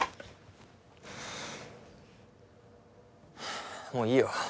あもういいよ。